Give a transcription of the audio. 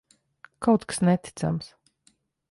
Kaut kas neticams!